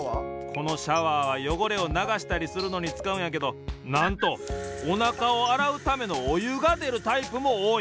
このシャワーはよごれをながしたりするのにつかうんやけどなんとおなかをあらうためのおゆがでるタイプもおおい。